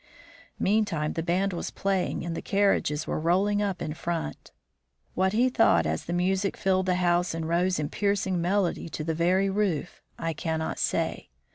Meantime the band was playing and the carriages were rolling up in front. What he thought as the music filled the house and rose in piercing melody to the very roof, I cannot say.